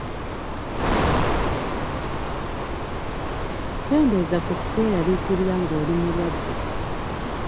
Keendeeza ku kweraliikirira ng’oli mulwadde.